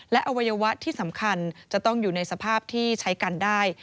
และอวัยวะที่สำคัญจะต้องอยู่ในสภาพที่ใช้กันได้